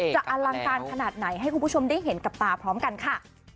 อลังการขนาดไหนให้คุณผู้ชมได้เห็นกับตาพร้อมกันค่ะ